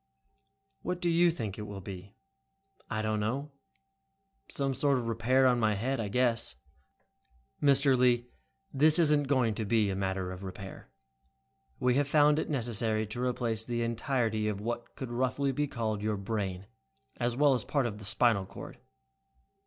"What do you think it will be?" "I don't know. Some sort of repair on my head, I guess." "Mr. Lee, this isn't going to be a matter of repair. We have found it necessary to replace the entirety of what could roughly be called your 'brain', as well as part of the spinal cord."